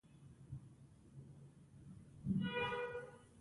ریښتیني ملګري تل ارزښت لري.